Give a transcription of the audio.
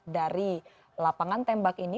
dari lapangan tembak ini